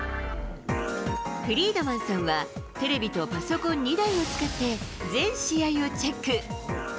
フリードマンさんは、テレビとパソコン２台を使って、全試合をチェック。